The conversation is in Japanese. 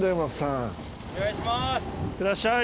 いってらっしゃい。